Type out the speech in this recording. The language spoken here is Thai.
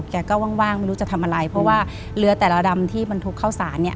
แกก็ว่างไม่รู้จะทำอะไรเพราะว่าเรือแต่ละดำที่บรรทุกเข้าสารเนี่ย